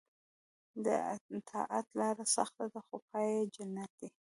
د طاعت لاره سخته ده خو پای یې جنت دی.